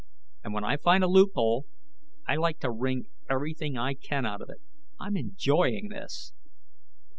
"And when I find a loophole, I like to wring everything I can out of it. I'm enjoying this."